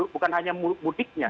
bukan hanya mudiknya